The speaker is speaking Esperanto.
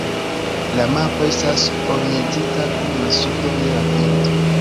La mapo estas orientita kun la sudo je la pinto.